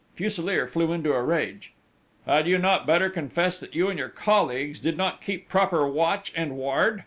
Fuselier flew into a rage: "Had you not better confess that you and your colleagues did not keep proper watch and ward!...